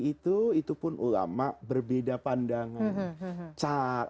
itu itu pun ulama berbeda pandangan